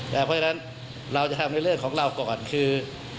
เพราะฉะนั้นเราจะทำในเรื่องของเราก่อนคือ